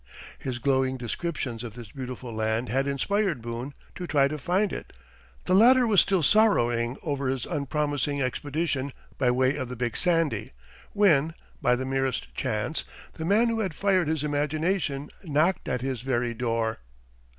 His glowing descriptions of this beautiful land had inspired Boone to try to find it. The latter was still sorrowing over his unpromising expedition by way of the Big Sandy when, by the merest chance, the man who had fired his imagination knocked at his very door.